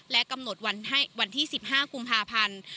และกำหนดวันที่๑๕กุมภาพันธ์